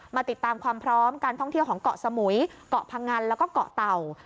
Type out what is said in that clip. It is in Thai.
ติดตามความพร้อมการท่องเที่ยวของเกาะสมุยเกาะพังงันแล้วก็เกาะเต่า